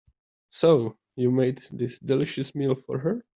So, you made this delicious meal for her?